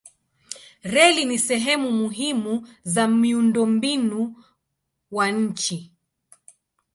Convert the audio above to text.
Reli ni sehemu muhimu za miundombinu wa nchi.